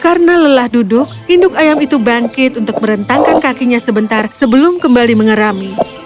karena lelah duduk induk ayam itu bangkit untuk merentangkan kakinya sebentar sebelum kembali mengerami